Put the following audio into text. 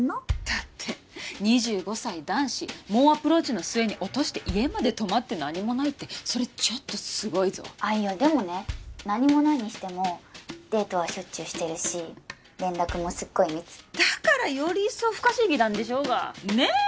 だって２５歳男子猛アプローチの末に落として家まで泊まって何もないってそれちょっとすごいぞあっいやでもね何もないにしてもデートはしょっちゅうしてるし連絡もすっごい密だからより一層不可思議なんでしょうがねえ！